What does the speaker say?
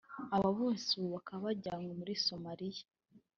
aba bose ubu bakaba barajyanywe muri Somalia